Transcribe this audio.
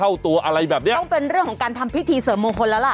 เข้าตัวอะไรแบบเนี้ยต้องเป็นเรื่องของการทำพิธีเสริมมงคลแล้วล่ะ